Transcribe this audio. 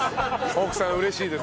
奥さん嬉しいです。